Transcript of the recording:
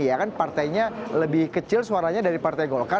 karena partainya lebih kecil suaranya dari partai golkar